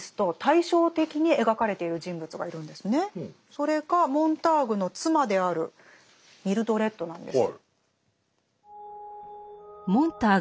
それがモンターグの妻であるミルドレッドなんです。